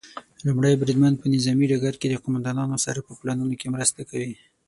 لومړی بریدمن په نظامي ډګر کې د قوماندانانو سره په پلانونو کې مرسته کوي.